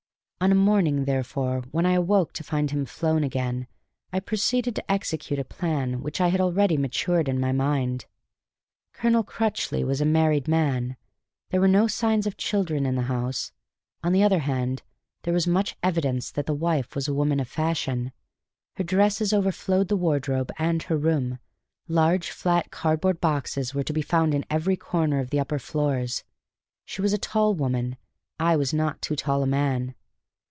On a morning, therefore, when I awoke to find him flown again, I proceeded to execute a plan which I had already matured in my mind. Colonel Crutchley was a married man; there were no signs of children in the house; on the other hand, there was much evidence that the wife was a woman of fashion. Her dresses overflowed the wardrobe and her room; large, flat, cardboard boxes were to be found in every corner of the upper floors. She was a tall woman; I was not too tall a man.